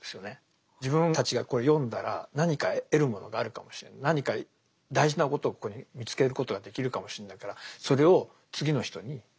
自分たちが読んだら何か得るものがあるかもしれない何か大事なことをここに見つけることができるかもしれないからそれを次の人に。